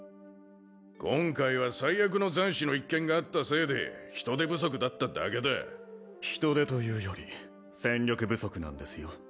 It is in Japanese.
今回は災厄の残滓の一件があったせいで人手不足だっただけだ人手というより戦力不足なんですよ